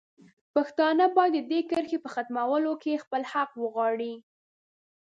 پښتانه باید د دې کرښې په ختمولو کې خپل حق وغواړي.